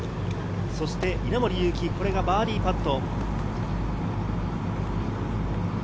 稲森佑貴、これがバーディーパット。